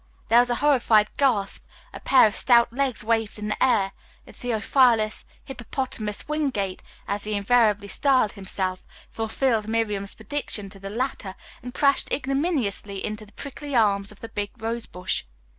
There was a horrified gasp, a pair of stout legs waved in the air, and Theophilus Hippopotamus Wingate, as he invariably styled himself, fulfilled Miriam's prediction to the letter, and crashed ignominiously into the prickly arms of the big rose bush.